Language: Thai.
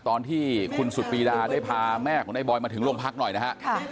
ตอนที่คุณสุดปีดาได้พาแม่ของนายบอยมาถึงโรงพักหน่อยนะฮะ